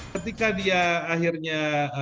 ketika dia akhirnya